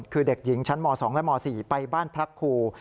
คือเด็กหญิงชั้นม๒และม๔ไปบ้านพระครู